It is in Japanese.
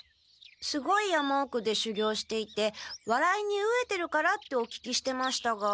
すごい山おくでしゅぎょうしていてわらいにうえてるからってお聞きしてましたが。